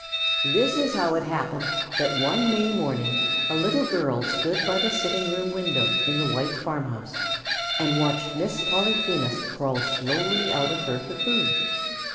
This was how it happened that one May morning a little girl stood by the sitting room window in the white farmhouse and watched Miss Polyphemus crawl slowly out of her cocoon.